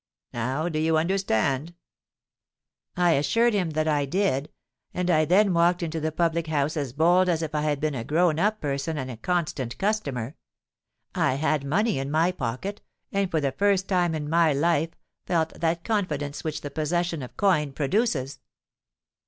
Now do you understand?'—I assured him that I did; and I then walked into the public house as bold as if I had been a grown up person and a constant customer. I had money in my pocket, and for the first time in my life felt that confidence which the possession of coin produces.